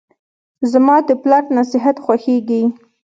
زماد پلار نصیحت خوښیږي.